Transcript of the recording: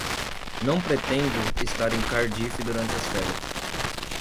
Não pretendo estar em Cardiff durante as férias.